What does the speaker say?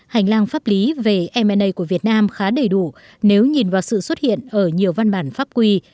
hành lang pháp lý về m a của việt nam khá đầy đủ nếu nhìn vào sự xuất hiện ở nhiều văn bản pháp quy